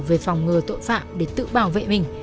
về phòng ngừa tội phạm để tự bảo vệ mình